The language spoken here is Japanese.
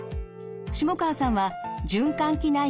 下川さんは循環器内科医